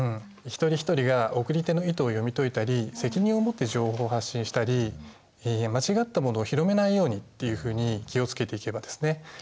一人一人が送り手の意図を読み解いたり責任を持って情報を発信したり間違ったものを広めないようにっていうふうに気を付けていけばですね